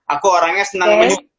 aku orangnya senang